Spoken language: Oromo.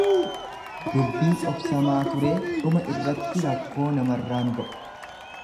Dubbii obsamaa turee dhuma irratti rakkoo namarraan ga'u.